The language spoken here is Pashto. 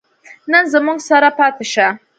نن زموږ سره پاتې شه